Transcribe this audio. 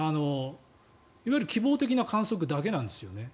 いわゆる希望的な観測だけなんですよね。